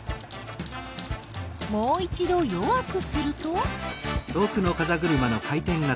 もう一ど弱くすると？